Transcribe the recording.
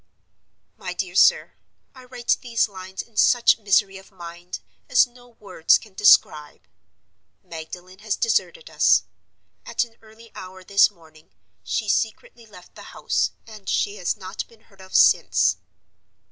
"MY DEAR SIR,— "I write these lines in such misery of mind as no words can describe. Magdalen has deserted us. At an early hour this morning she secretly left the house, and she has not been heard of since.